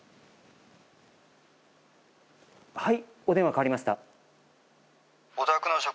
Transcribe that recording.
はい。